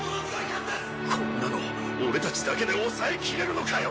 こんなの俺たちだけで抑えきれるのかよ？